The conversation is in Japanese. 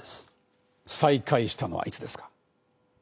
再会したのはいつですか？